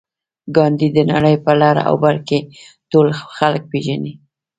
ګاندي د نړۍ په لر او بر کې ټول خلک پېژني